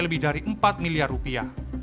lebih dari empat miliar rupiah